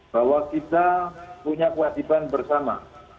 bahwa kita punya kewajiban bersama